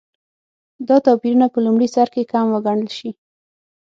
دا توپیرونه په لومړي سرکې کم وګڼل شي.